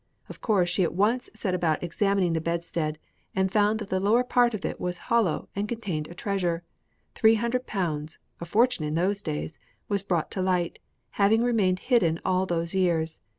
Of course she at once set about examining the bedstead, and found that the lower part of it was hollow and contained a treasure. Three hundred pounds a fortune in those days was brought to light, having remained hidden all those years.